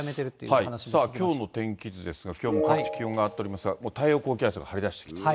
きょうの天気図ですが、きょうも各地気温が上がっておりますが、もう太平洋高気圧が張り出してきてる。